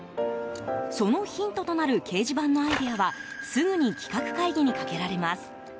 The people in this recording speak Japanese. そのヒントとなる掲示板のアイデアはすぐに企画会議にかけられます。